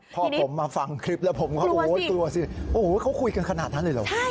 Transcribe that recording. พ่อผมมาฟังคลิปแล้วผมก็โอ้โฮกลัวสิคุยกันขนาดนั้นหรือเหรอ